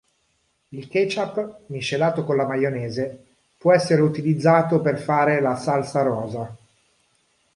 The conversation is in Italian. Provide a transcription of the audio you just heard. Il ketchup, miscelato con la maionese, può essere utilizzato per fare la salsa rosa.